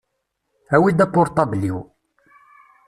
Awi-d apurṭabl-iw.